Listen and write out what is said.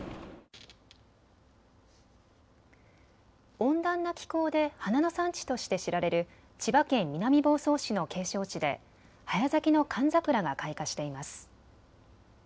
温暖な気候で花の産地として知られる千葉県南房総市の景勝地で早咲きの寒桜が開花しています。